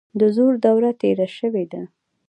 د زور دوره تیره شوې ده.